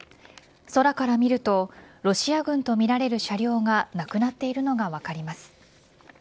空から見るとロシア軍とみられる車両がなくなっているのが分かります。